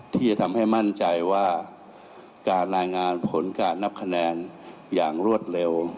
ที่จะทำให้มั่นใจว่าการรายงานผลการนับคะแนนอย่างรวดเร็ว